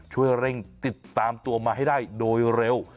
ช่วยเร่งติดตามตัวมาให้ได้โดยเร็ว